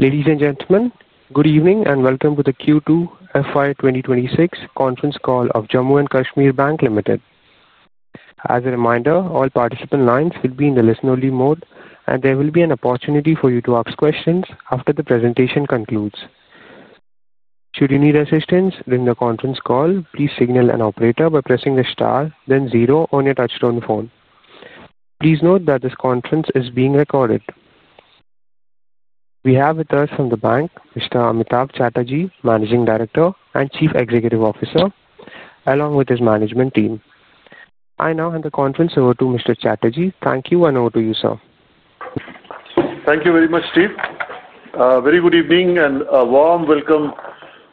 Ladies and gentlemen, good evening and welcome to the Q2 FY 2026 conference call of Jammu and Kashmir Bank Ltd. As a reminder, all participant lines will be in the listen-only mode, and there will be an opportunity for you to ask questions after the presentation concludes. Should you need assistance during the conference call, please signal an operator by pressing the star, then zero on your touch-tone phone. Please note that this conference is being recorded. We have with us from the bank Mr. Amitava Chatterjee, Managing Director and Chief Executive Officer, along with his management team. I now hand the conference over to Mr. Chatterjee. Thank you and over to you, sir. Thank you very much, Steve. A very good evening and a warm welcome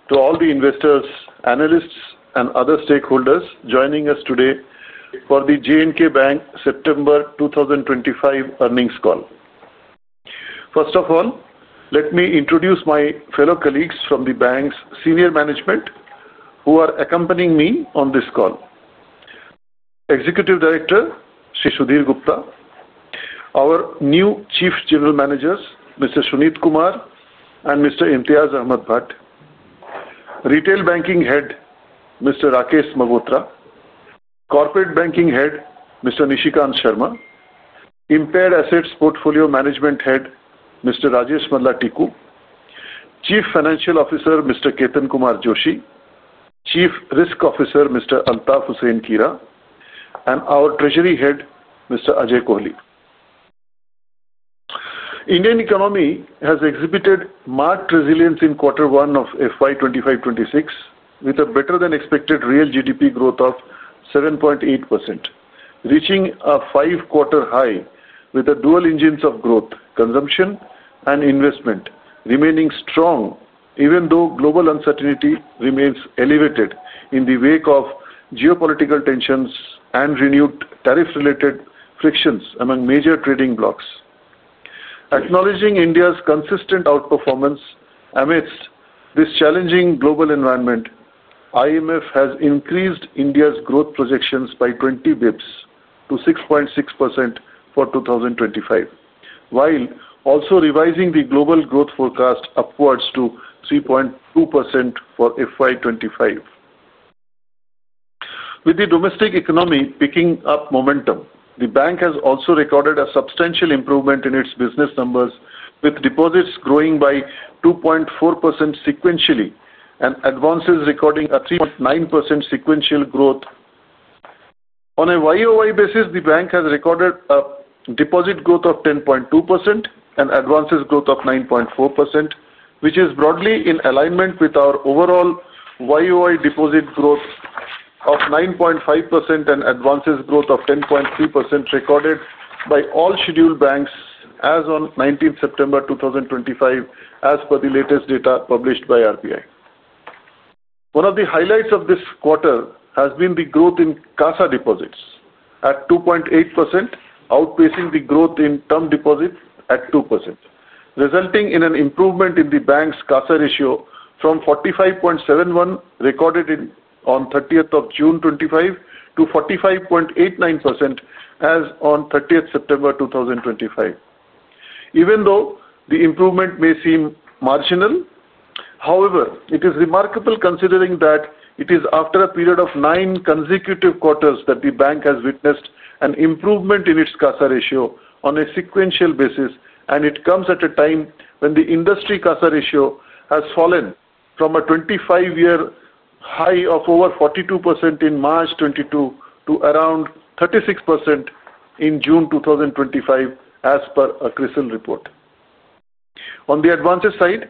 to all the investors, analysts, and other stakeholders joining us today for the Jammu and Kashmir Bank September 2025 earnings call. First of all, let me introduce my fellow colleagues from the bank's senior management who are accompanying me on this call: Executive Director Shishudhir Gupta, our new Chief General Managers Mr. Sunit Kumar and Mr. Imtiaz Ahmad Bhatt, Retail Banking Head Mr. Rakesh Magotra, Corporate Banking Head Mr. Nishikant Sharma, Impaired Assets Portfolio Management Head Mr. Rajesh Madla Tikhu, Chief Financial Officer Mr. Ketan Kumar Joshi, Chief Risk Officer Mr. Antaab Hussain Kira, and our Treasury Head Mr. Ajay Kohli. The Indian economy has exhibited marked resilience in Q1 of FY 2026 with a better-than-expected real GDP growth of 7.8%, reaching a five-quarter high with a dual engine of growth: consumption and investment remaining strong even though global uncertainty remains elevated in the wake of geopolitical tensions and renewed tariff-related frictions among major trading blocs. Acknowledging India's consistent outperformance amidst this challenging global environment, IMF has increased India's growth projections by 20 bps to 6.6% for 2025, while also revising the global growth forecast upwards to 3.2% for FY 2025. With the domestic economy picking up momentum, the bank has also recorded a substantial improvement in its business numbers, with deposits growing by 2.4% sequentially and advances recording a 3.9% sequential growth. On a YOY basis, the bank has recorded a deposit growth of 10.2% and advances growth of 9.4%, which is broadly in alignment with our overall YOY deposit growth of 9.5% and advances growth of 10.3% recorded by all scheduled banks as on 19 September 2025, as per the latest data published by RBI. One of the highlights of this quarter has been the growth in KASA deposits at 2.8%, outpacing the growth in term deposits at 2%, resulting in an improvement in the bank's KASA ratio from 45.71% recorded on June 30, 2025, to 45.89% as on September 30, 2025. Even though the improvement may seem marginal, however, it is remarkable considering that it is after a period of nine consecutive quarters that the bank has witnessed an improvement in its KASA ratio on a sequential basis, and it comes at a time when the industry KASA ratio has fallen from a 25-year high of over 42% in March 2022 to around 36% in June 2025, as per a CRISIL report. On the advances side,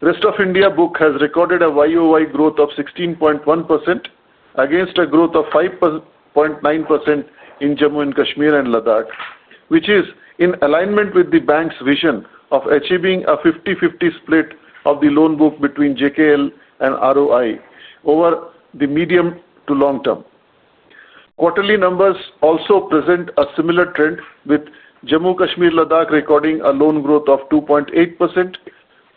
the rest of India book has recorded a YOY growth of 16.1% against a growth of 5.9% in Jammu and Kashmir and Ladakh, which is in alignment with the bank's vision of achieving a 50/50 split of the loan book between JKL and ROI over the medium to long term. Quarterly numbers also present a similar trend, with Jammu and Kashmir, Ladakh recording a loan growth of 2.8%,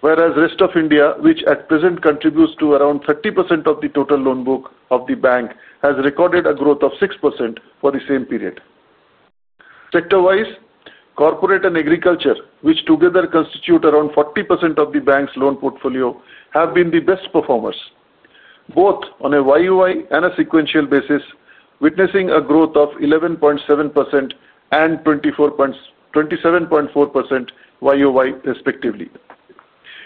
whereas the rest of India, which at present contributes to around 30% of the total loan book of the bank, has recorded a growth of 6% for the same period. Sector-wise, corporate and agriculture, which together constitute around 40% of the bank's loan portfolio, have been the best performers, both on a YOY and a sequential basis, witnessing a growth of 11.7% and 27.4% YOY respectively.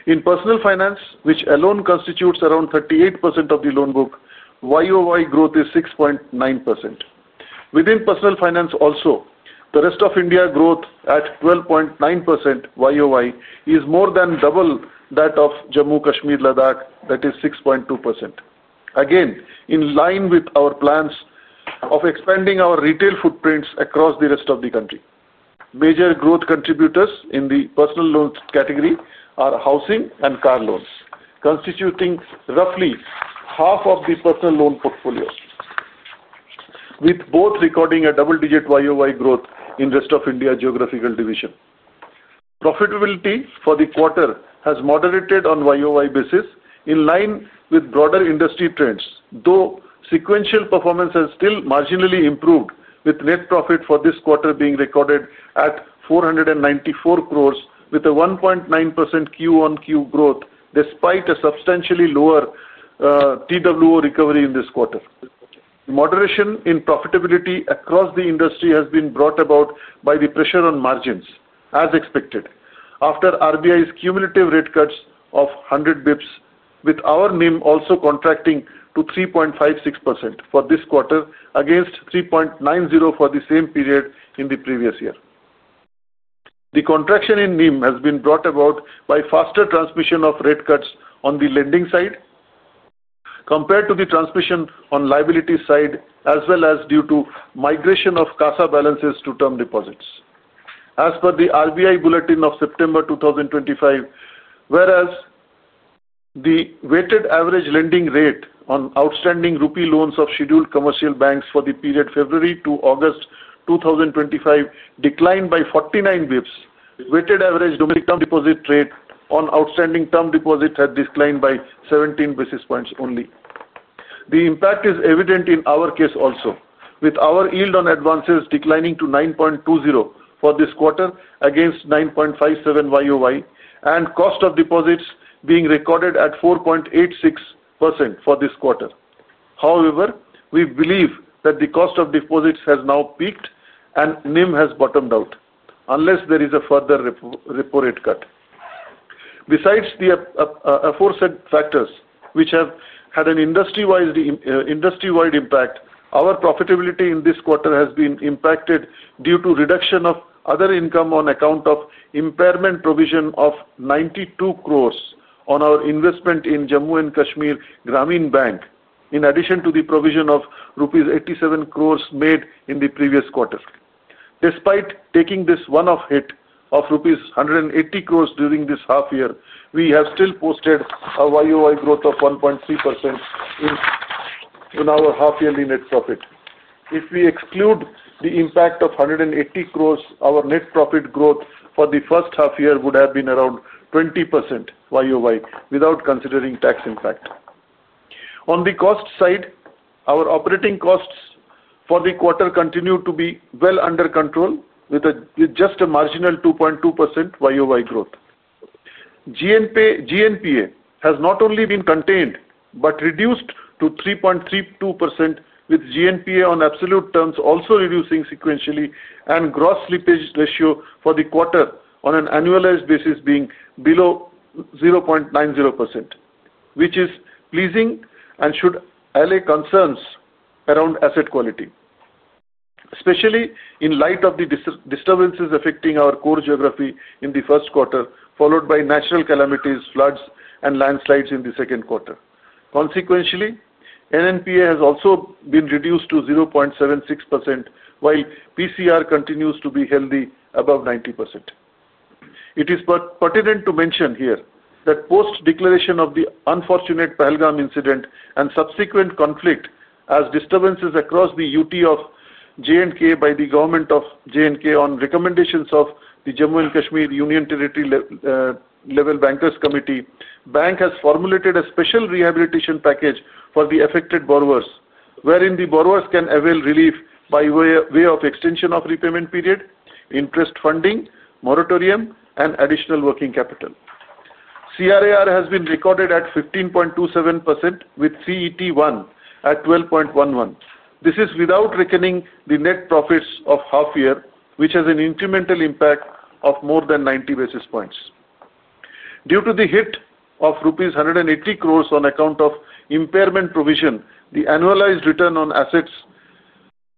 In personal finance, which alone constitutes around 38% of the loan book, YOY growth is 6.9%. Within personal finance also, the rest of India growth at 12.9% YOY is more than double that of Jammu and Kashmir, Ladakh; that is 6.2%. Again, in line with our plans of expanding our retail footprints across the rest of the country, major growth contributors in the personal loans category are housing and car loans, constituting roughly half of the personal loan portfolio, with both recording a double-digit YOY growth in the rest of India geographical division. Profitability for the quarter has moderated on a YOY basis, in line with broader industry trends, though sequential performance has still marginally improved, with net profit for this quarter being recorded at 494 crore with a 1.9% QOQ growth, despite a substantially lower TWO recovery in this quarter. The moderation in profitability across the industry has been brought about by the pressure on margins, as expected, after RBI's cumulative rate cuts of 100 bps, with our NIM also contracting to 3.56% for this quarter against 3.90% for the same period in the previous year. The contraction in NIM has been brought about by faster transmission of rate cuts on the lending side compared to the transmission on liabilities side, as well as due to migration of KASA balances to term deposits. As per the RBI bulletin of September 2025, whereas the weighted average lending rate on outstanding rupee loans of scheduled commercial banks for the period February to August 2025 declined by 49 bps, weighted average domestic term deposit rate on outstanding term deposits had declined by 17 basis points only. The impact is evident in our case also, with our yield on advances declining to 9.20% for this quarter against 9.57% YOY and cost of deposits being recorded at 4.86% for this quarter. However, we believe that the cost of deposits has now peaked and NIM has bottomed out unless there is a further reported cut. Besides the aforementioned factors, which have had an industry-wide impact, our profitability in this quarter has been impacted due to reduction of other income on account of impairment provision of 92 crore on our investment in Jammu and Kashmir Grameen Bank, in addition to the provision of rupees 87 crore made in the previous quarter. Despite taking this one-off hit of rupees 180 crore during this half year, we have still posted a YOY growth of 1.3% in our half-yearly net profit. If we exclude the impact of 180 crore, our net profit growth for the first half year would have been around 20% YOY without considering tax impact. On the cost side, our operating costs for the quarter continue to be well under control, with just a marginal 2.2% YOY growth. GNPA has not only been contained but reduced to 3.32%, with GNPA on absolute terms also reducing sequentially, and gross slippage ratio for the quarter on an annualized basis being below 0.90%, which is pleasing and should allay concerns around asset quality, especially in light of the disturbances affecting our core geography in the first quarter, followed by natural calamities, floods, and landslides in the second quarter. Consequentially, net NPA has also been reduced to 0.76%, while provision coverage ratio continues to be healthy above 90%. It is pertinent to mention here that post-declaration of the unfortunate Pahalgam incident and subsequent conflict as disturbances across the UT of J&K by the government of J&K on recommendations of the Jammu and Kashmir Union Territory Level Bankers Committee, the bank has formulated a special rehabilitation package for the affected borrowers, wherein the borrowers can avail relief by way of extension of repayment period, interest funding, moratorium, and additional working capital. CRAR has been recorded at 15.27% with CET1 at 12.11%. This is without reckoning the net profits of half year, which has an incremental impact of more than 90 basis points. Due to the hit of rupees 180 crore on account of impairment provision, the annualized return on assets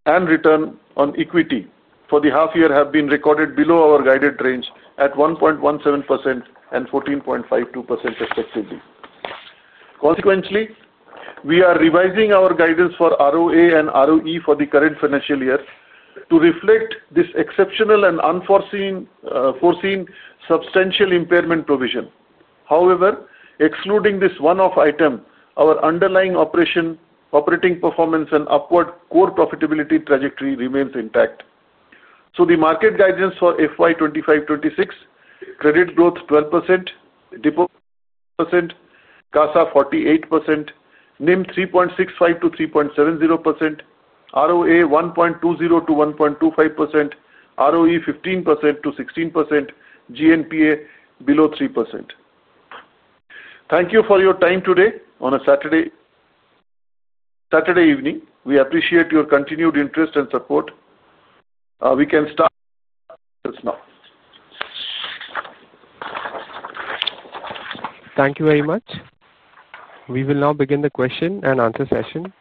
and return on equity for the half year have been recorded below our guided range at 1.17% and 14.52% respectively. Consequentially, we are revising our guidance for ROA and ROE for the current financial year to reflect this exceptional and unforeseen substantial impairment provision. However, excluding this one-off item, our underlying operating performance and upward core profitability trajectory remains intact. The market guidance for FY 2025-2026: Credit growth 12%, deposit 12%, KASA 48%, NIM 3.65% to 3.70%, ROA 1.20% to 1.25%, ROE 15% to 16%, GNPA below 3%. Thank you for your time today on a Saturday evening. We appreciate your continued interest and support. We can start the session now. Thank you very much. We will now begin the question and answer session.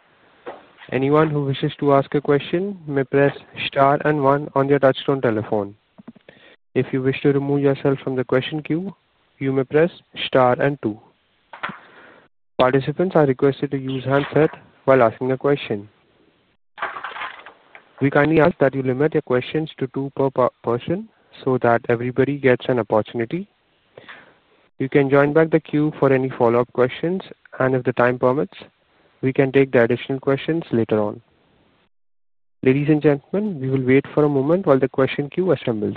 Anyone who wishes to ask a question may press star and one on your touch-tone telephone. If you wish to remove yourself from the question queue, you may press star and two. Participants are requested to use handsets while asking a question. We kindly ask that you limit your questions to two per person so that everybody gets an opportunity. You can join back the queue for any follow-up questions, and if the time permits, we can take the additional questions later on. Ladies and gentlemen, we will wait for a moment while the question queue assembles.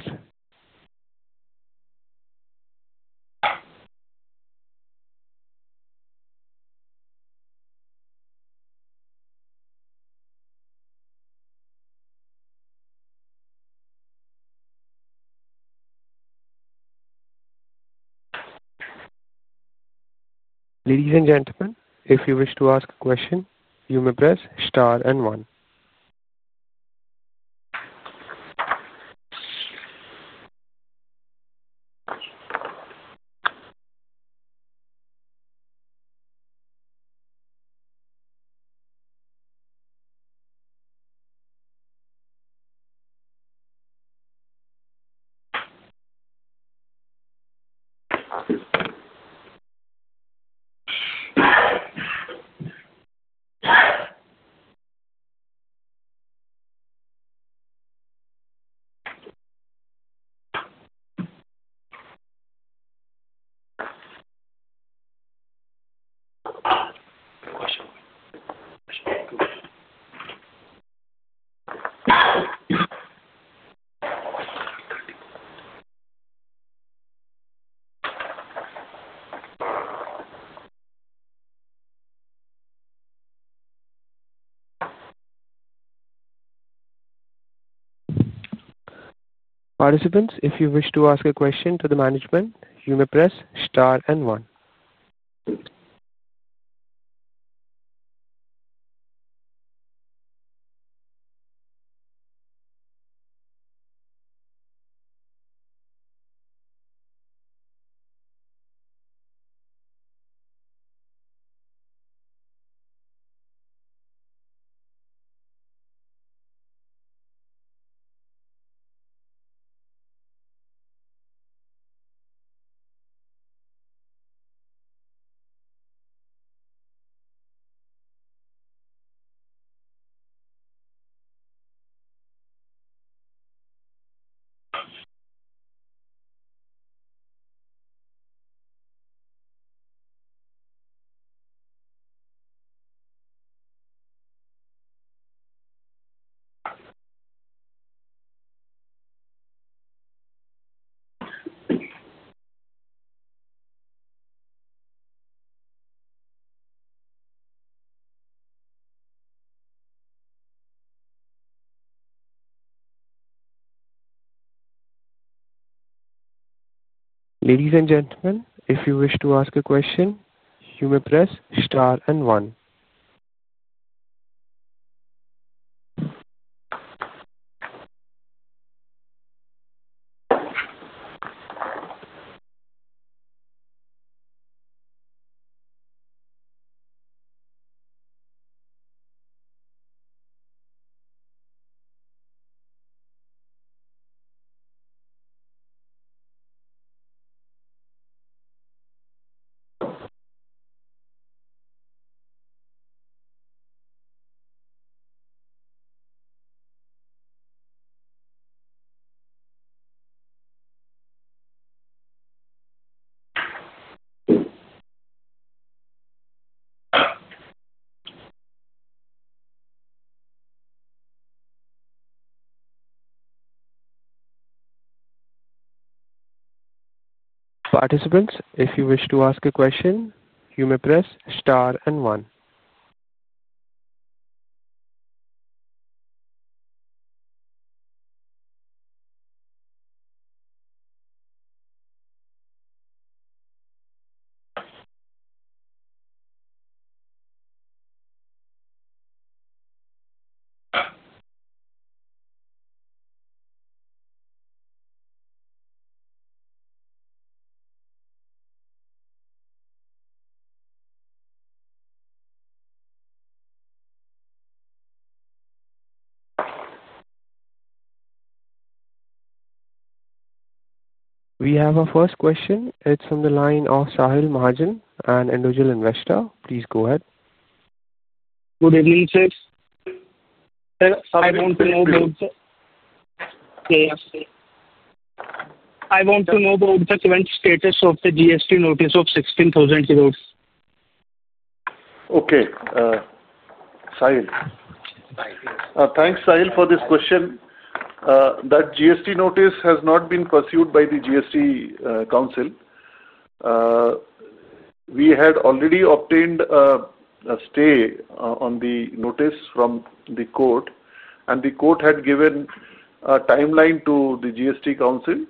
Ladies and gentlemen, if you wish to ask a question, you may press star and one. Participants, if you wish to ask a question to the management, you may press star and one. Ladies and gentlemen, if you wish to ask a question, you may press star and one. Participants, if you wish to ask a question, you may press star and one. We have a first question. It's from the line of Sahil Mahajan, an individual investor. Please go ahead. Okay. Sahil, thanks, Sahil, for this question. That GST notice has not been pursued by the GST counsel. We had already obtained a stay on the notice from the court, and the court had given a timeline to the GST counsel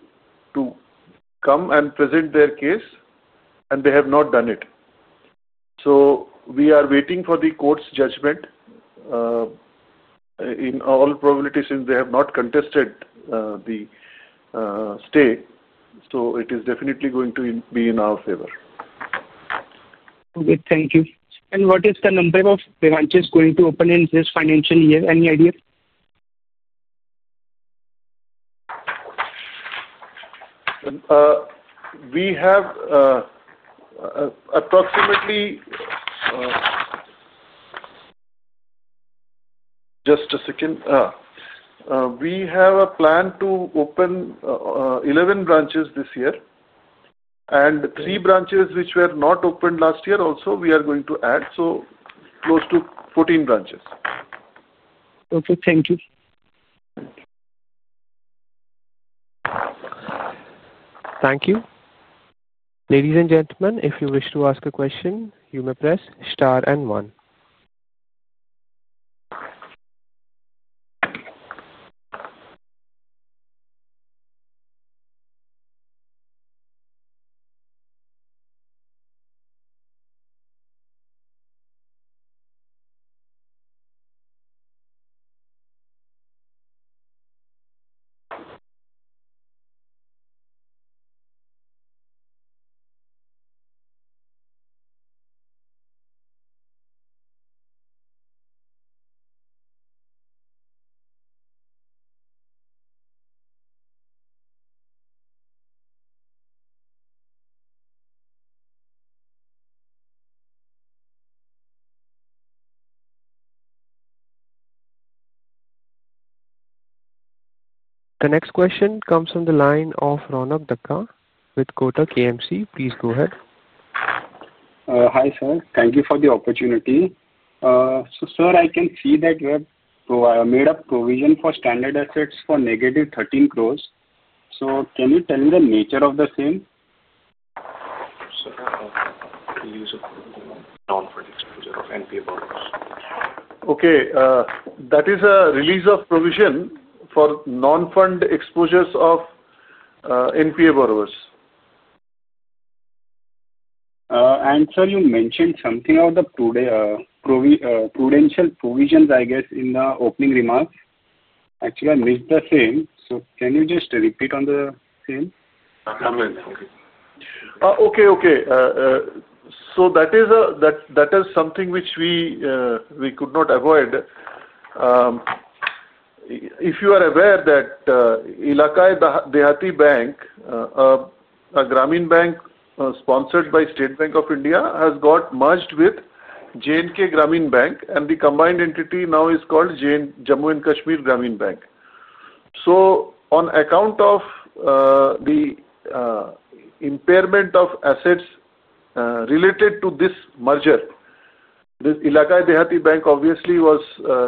to come and present their case, and they have not done it. We are waiting for the court's judgment. In all probability, since they have not contested the stay, it is definitely going to be in our favor. Thank you. What is the number of branches going to open in this financial year? Any idea? We have approximately, just a second, we have a plan to open 11 branches this year, and 3 branches which were not opened last year also we are going to add, so close to 14 branches. Okay. Thank you. Thank you. Ladies and gentlemen, if you wish to ask a question, you may press star and one. The next question comes from the line of Ronak Dhaka with Kotak KMC. Please go ahead. Hi, sir. Thank you for the opportunity. Sir, I can see that you have made a provision for standard assets for negative 13 crore. Can you tell me the nature of the same? The release of provision for non-fund exposure of NPA borrowers. Okay, that is a release of provision for non-fund exposures of NPA borrowers. Sir, you mentioned something about the prudential provisions, I guess, in the opening remarks. Actually, I missed the same. Can you just repeat on the same? Okay. That is something which we could not avoid. If you are aware, Ellaquai Dehati Bank, a Grameen bank sponsored by State Bank of India, has got merged with J&K Grameen Bank, and the combined entity now is called Jammu and Kashmir Grameen Bank. On account of the impairment of assets related to this merger, this Ellaquai Dehati Bank obviously was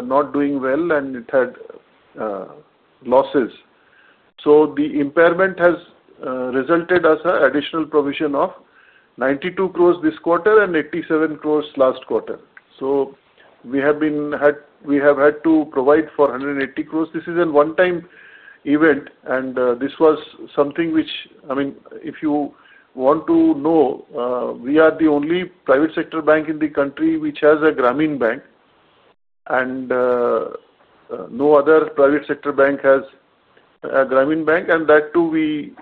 not doing well, and it had losses. The impairment has resulted as an additional provision of 92 crore this quarter and 87 crore last quarter. We have had to provide for 180 crore. This is a one-time event, and this was something which, I mean, if you want to know, we are the only private sector bank in the country which has a Grameen bank, and no other private sector bank has a Grameen bank. We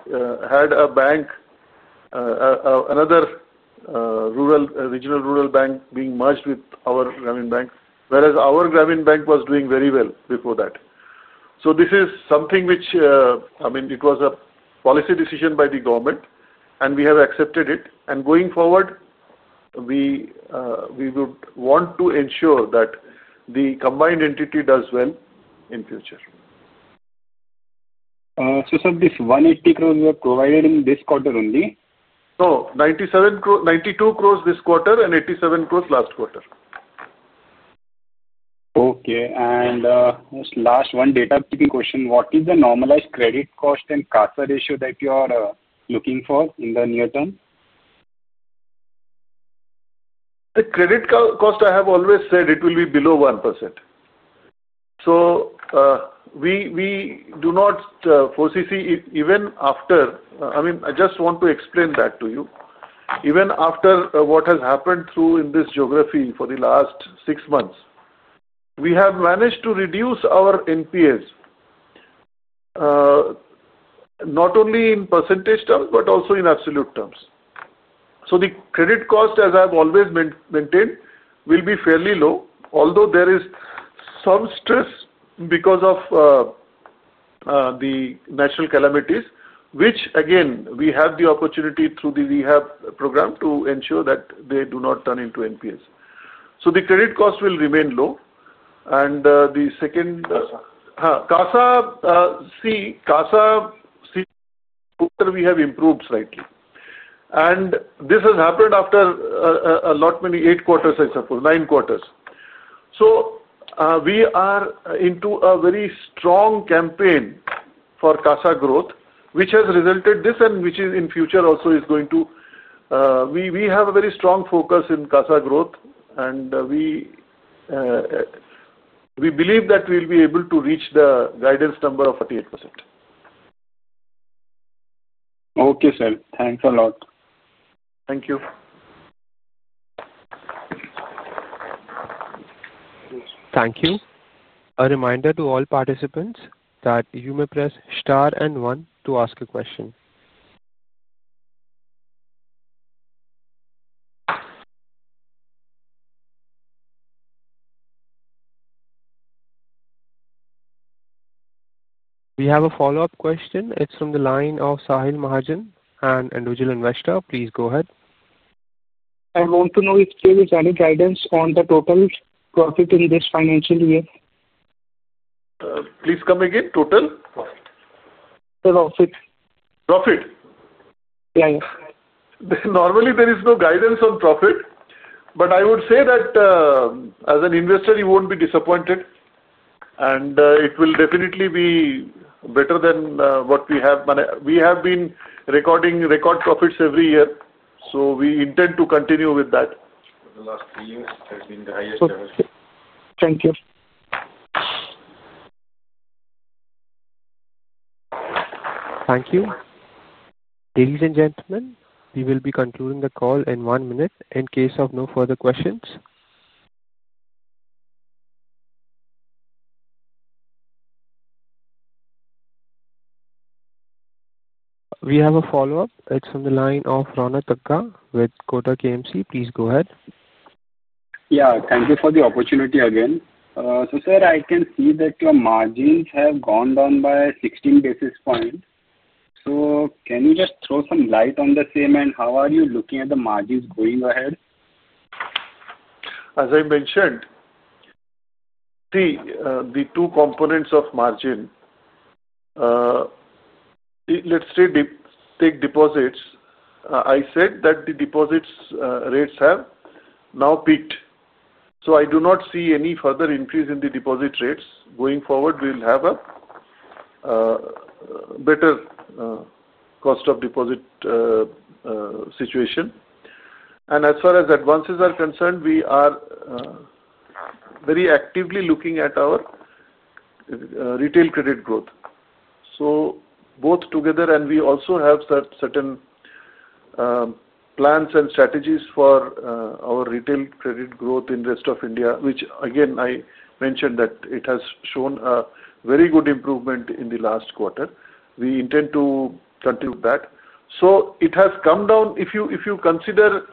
had another regional rural bank being merged with our Grameen bank, whereas our Grameen bank was doing very well before that. This is something which, I mean, it was a policy decision by the government, and we have accepted it. Going forward, we would want to ensure that the combined entity does well in the future. Sir, this 180 crore you have provided in this quarter only? 92 crore this quarter and 87 crore last quarter. Okay. Just last one data-taking question. What is the normalized credit cost and KASA ratio that you are looking for in the near term? The credit cost, I have always said, it will be below 1%. We do not foresee, even after—I mean, I just want to explain that to you—even after what has happened in this geography for the last six months, we have managed to reduce our NPAs, not only in percentage terms but also in absolute terms. The credit cost, as I've always maintained, will be fairly low, although there is some stress because of the natural calamities, which, again, we have the opportunity through the rehab program to ensure that they do not turn into NPAs. The credit cost will remain low. The second, KASA—see, KASA, we have improved slightly. This has happened after many, eight quarters, I suppose, nine quarters. We are into a very strong campaign for KASA growth, which has resulted in this, and which in future also is going to—we have a very strong focus in KASA growth, and we believe that we'll be able to reach the guidance number of 38%. Okay, sir. Thanks a lot. Thank you. Thank you. A reminder to all participants that you may press star and one to ask a question. We have a follow-up question. It's from the line of Sahil Mahajan, an individual investor. Please go ahead. I want to know if there is any guidance on the total profit in this financial year. Please come again. Total? The profit. Profit? Yeah, yeah. Normally, there is no guidance on profit, but I would say that, as an investor, you won't be disappointed. It will definitely be better than what we have. We have been recording record profits every year, so we intend to continue with that. For the last three years, it has been the highest ever. Okay. Thank you. Thank you. Ladies and gentlemen, we will be concluding the call in one minute in case of no further questions. We have a follow-up. It's from the line of Ronak Dhaka with Kotak KMC. Please go ahead. Thank you for the opportunity again. Sir, I can see that your margins have gone down by 16 basis points. Can you just throw some light on the same and how are you looking at the margins going ahead? As I mentioned, the two components of margin, let's say take deposits. I said that the deposit rates have now peaked. I do not see any further increase in the deposit rates. Going forward, we'll have a better cost of deposit situation. As far as advances are concerned, we are very actively looking at our retail credit growth. Both together, and we also have certain plans and strategies for our retail credit growth in the rest of India, which, again, I mentioned that it has shown a very good improvement in the last quarter. We intend to continue with that. It has come down. If you consider,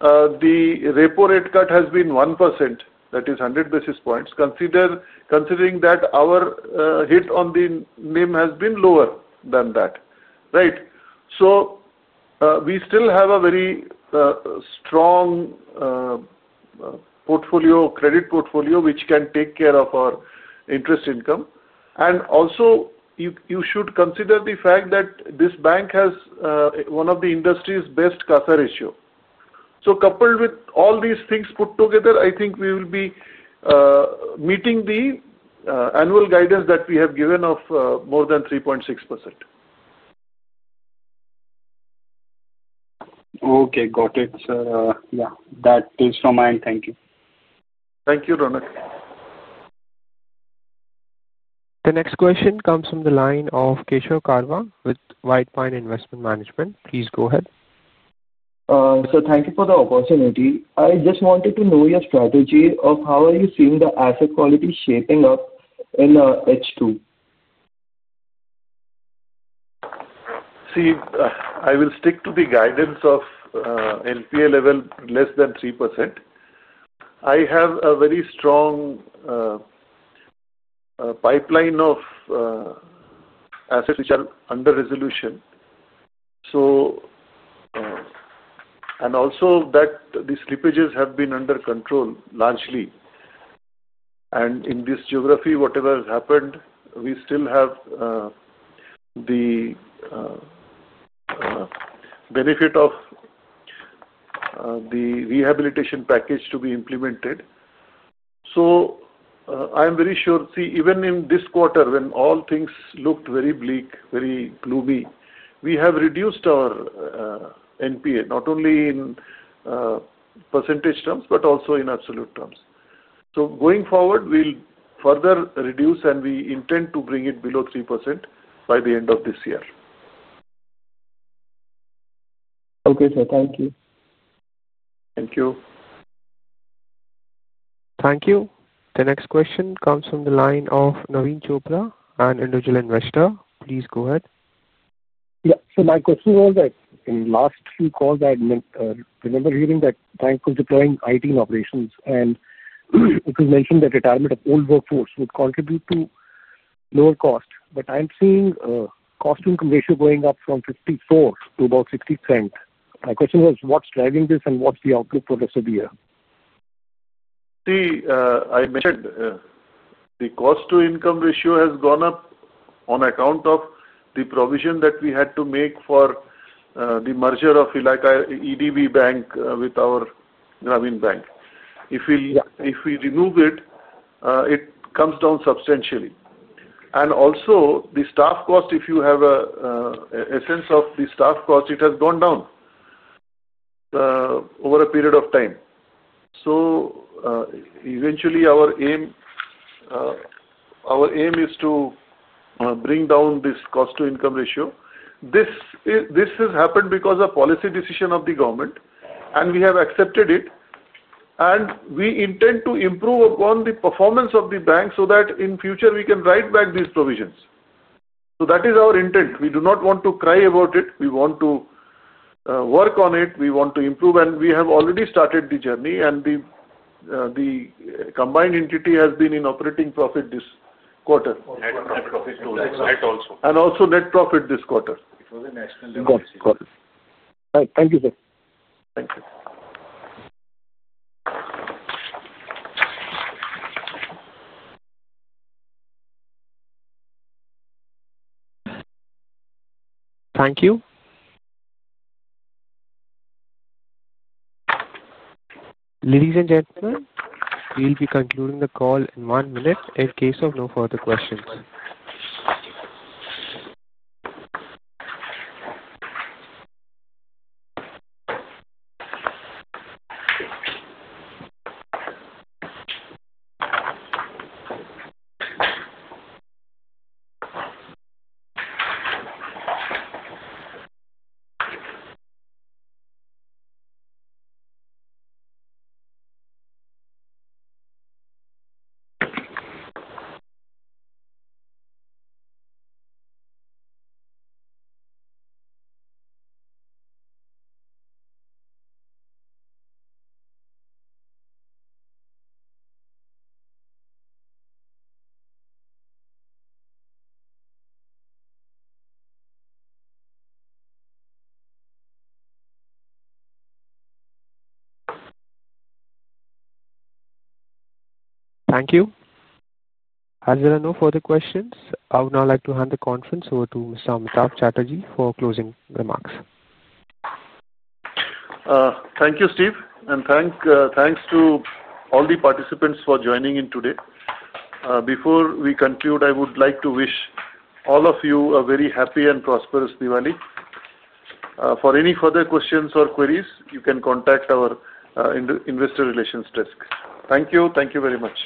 the repo rate cut has been 1%, that is 100 basis points, considering that our hit on the NIM has been lower than that, right? We still have a very strong portfolio, credit portfolio, which can take care of our interest income. You should also consider the fact that this bank has one of the industry's best KASA ratio. Coupled with all these things put together, I think we will be meeting the annual guidance that we have given of more than 3.6%. Okay. Got it, sir. That is from my end. Thank you. Thank you, Ronak. The next question comes from the line of Kesha Karva with White Pine Investment Management. Please go ahead. Sir, thank you for the opportunity. I just wanted to know your strategy of how are you seeing the asset quality shaping up in H2? See, I will stick to the guidance of NPA level less than 3%. I have a very strong pipeline of assets which are under resolution, and also the slippages have been under control largely. In this geography, whatever has happened, we still have the benefit of the rehabilitation package to be implemented. I am very sure, even in this quarter, when all things looked very bleak, very gloomy, we have reduced our NPA not only in percentage terms but also in absolute terms. Going forward, we'll further reduce, and we intend to bring it below 3% by the end of this year. Okay, sir. Thank you. Thank you. Thank you. The next question comes from the line of Naveen Chopra, an individual investor. Please go ahead. Yeah. My question was that in the last few calls, I had remembered hearing that the bank was deploying IT in operations, and it was mentioned that retirement of old workforce would contribute to lower cost. I'm seeing a cost-to-income ratio going up from 54% to about 60%. My question was, what's driving this, and what's the outlook for the rest of the year? See, I mentioned, the cost-to-income ratio has gone up on account of the provision that we had to make for the merger of Ellaquai Dehati Bank with our Grameen Bank. If we remove it, it comes down substantially. Also, the staff cost, if you have a sense of the staff cost, it has gone down over a period of time. Eventually, our aim is to bring down this cost-to-income ratio. This has happened because of a policy decision of the government, and we have accepted it. We intend to improve upon the performance of the bank so that in the future, we can write back these provisions. That is our intent. We do not want to cry about it. We want to work on it. We want to improve, and we have already started the journey, and the combined entity has been in operating profit this quarter. Net profit of H2 is excellent also. Net profit this quarter. It was a national demography. This quarter. Right. Thank you, sir. Thank you. Thank you. Ladies and gentlemen, we'll be concluding the call in one minute in case of no further questions. Thank you. Thank you. As there are no further questions, I would now like to hand the conference over to Mr. Amitava Chatterjee for closing remarks. Thank you, Steve, and thanks to all the participants for joining in today. Before we conclude, I would like to wish all of you a very happy and prosperous Diwali. For any further questions or queries, you can contact our investor relations desk. Thank you. Thank you very much.